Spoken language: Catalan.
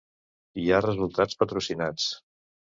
Hi ha resultats patrocinats.